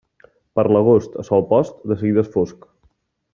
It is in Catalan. Per l'agost, a sol post, de seguida és fosc.